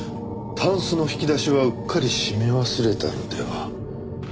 たんすの引き出しはうっかり閉め忘れたのでは？